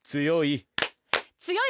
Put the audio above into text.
強い。